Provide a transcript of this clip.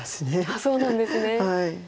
あっそうなんですね。